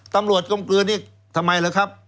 ตำรวจกลมกลืนนี่ทำไมหรือครับ